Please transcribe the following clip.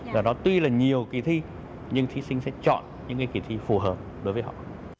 do đó tuy là nhiều kỳ thi nhưng thí sinh sẽ chọn những cái kỳ thi phù hợp đối với họ